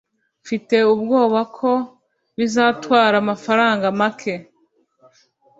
Mfite ubwoba ko bizatwara amafaranga make.